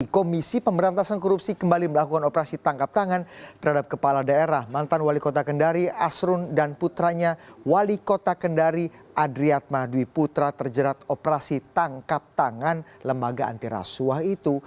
komisi pemberantasan korupsi kembali melakukan operasi tangkap tangan terhadap kepala daerah mantan wali kota kendari asrun dan putranya wali kota kendari adriat mahdwi putra terjerat operasi tangkap tangan lembaga antirasuah itu